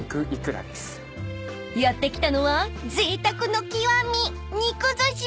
［やって来たのはぜいたくの極み肉ずし］